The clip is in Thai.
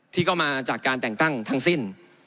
ที่ก็มาจากการแต่งตั้งทั้งสิ้น